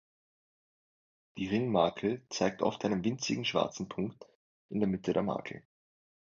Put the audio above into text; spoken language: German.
Die Ringmakel zeigt oft einen winzigen schwarzen Punkt in der Mitte der Makel.